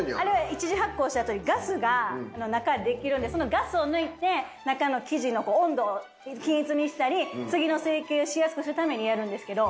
１次発酵した後にガスが中できるんでそのガスを抜いて中の生地の温度を均一にしたり次の成形をしやすくするためにやるんですけど。